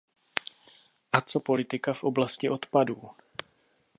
A co politika v oblasti odpadů?